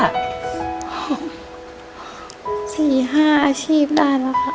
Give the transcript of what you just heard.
๔๕อาชีพได้แล้วค่ะ